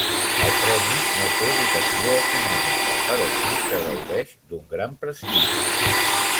El premi no té dotació econòmica, però sí que gaudeix d'un gran prestigi.